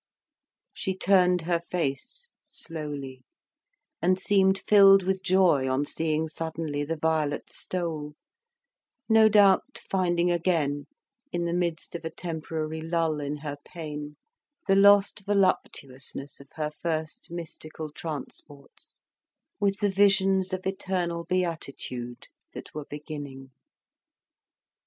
She turned her face slowly, and seemed filled with joy on seeing suddenly the violet stole, no doubt finding again, in the midst of a temporary lull in her pain, the lost voluptuousness of her first mystical transports, with the visions of eternal beatitude that were beginning.